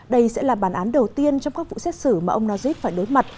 đây sẽ là bản án đầu tiên trong các vụ xét xử mà ông najib phải đối mặt